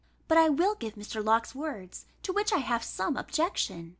But I will give Mr. Locke's words, to which I have some objection.